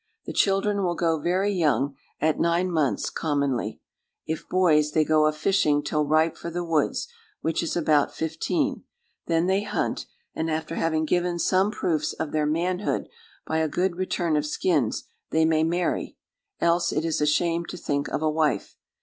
The children will go very young—at nine months, commonly: if boys, they go a fishing till ripe for the woods, which is about fifteen; then they hunt, and after having given some proofs of their manhood by a good return of skins, they may marry; else it is a shame to think of a wife.